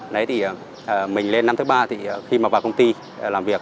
đấy thì mình lên năm thứ ba thì khi mà vào công ty làm việc